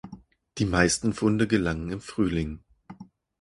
Die meisten Funde gelangen im Frühling.